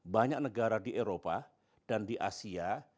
banyak negara di eropa dan di asia